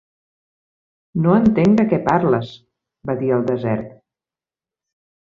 "No entenc de què parles", va dir el desert.